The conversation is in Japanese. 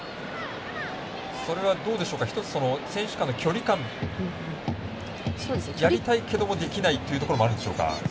それは、どうでしょうか一つ、選手の距離感やりたいけどもできないというところもあるんでしょうか。